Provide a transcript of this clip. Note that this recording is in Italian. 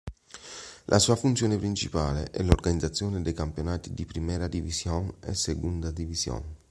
La sua funzione principale è l'organizzazione dei campionati di Primera División e Segunda División.